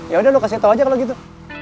ya udah lu kasih tau aja kalau gitu